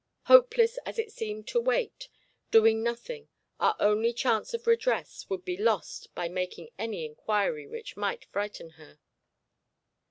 Hopeless as it seemed to wait, doing nothing, our only chance of redress would be lost by making any inquiry which might frighten her.